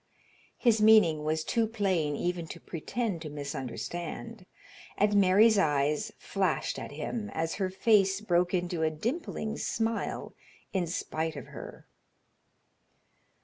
His meaning was too plain even to pretend to misunderstand, and Mary's eyes flashed at him, as her face broke into a dimpling smile in spite of her.